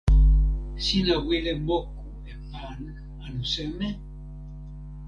sina wile moku e pan anu seme?